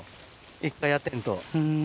１回やってへんと。